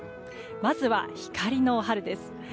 まずは光の春です。